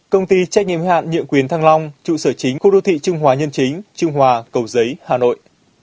công ty trách nhiệm hạn nhượng quyền thăng long trụ sở chính khu đô thị trung hòa nhân chính trung hòa cầu giấy hà nội